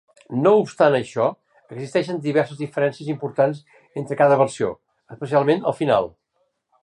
No obstant això, existeixen diverses diferències importants entre cada versió, especialment al final.